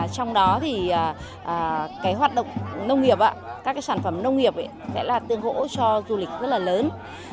trong đó các sản phẩm nông nghiệp sẽ là tương hỗ cho du lịch rất lớn